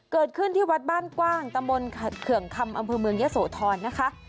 เกิดขึ้นที่วัดบ้านกว้างตะมนต์เขื่องคำอำเภอเมืองยะโสธรนะคะ